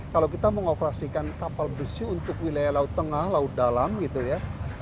kalau kita mengoperasikan kapal besi untuk wilayah laut tengah laut dalam gitu ya